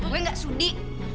gue gak sudi